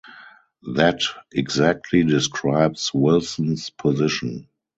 That exactly describes Wilson's position.